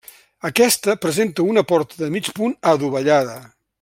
Aquesta, presenta una porta de mig punt adovellada.